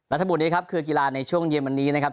ทั้งหมดนี้ครับคือกีฬาในช่วงเย็นวันนี้นะครับ